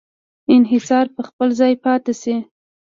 انحصار په خپل ځای پاتې شي.